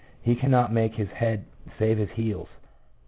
He cannot make "his head save his heels."